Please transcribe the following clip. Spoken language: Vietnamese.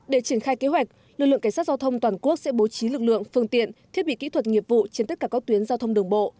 để triển khai kế hoạch lực lượng cảnh sát giao thông toàn quốc sẽ bố trí lực lượng phương tiện thiết bị kỹ thuật nghiệp vụ trên tất cả các tuyến giao thông đường bộ